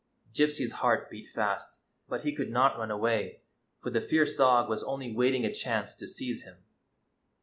Gypsy's heart beat fast; but he could not run away, for the fierce dog was only waiting a chance to seize him.